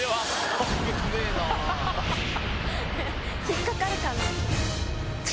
引っ掛かるかな？